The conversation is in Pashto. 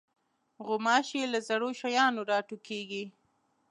غوماشې له زړو شیانو راټوکېږي.